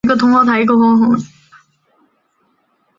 起始站分别为费德莫兴站到展览中心东站。